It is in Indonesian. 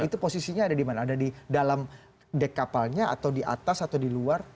itu posisinya ada di mana ada di dalam dek kapalnya atau di atas atau di luar